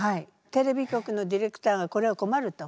テレビ局のディレクターがこれはこまると。